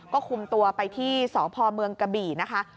ก็คุมตัวไปที่สพเมืองกะบี่นะคะ